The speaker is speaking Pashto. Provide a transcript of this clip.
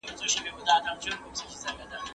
ولي کوښښ کوونکی د وړ کس په پرتله برخلیک بدلوي؟